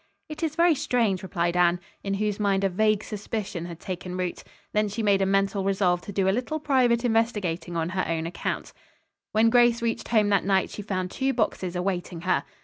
"It is very strange," replied Anne, in whose mind a vague suspicion had taken root. Then she made a mental resolve to do a little private investigating on her own account. When Grace reached home that night she found two boxes awaiting her.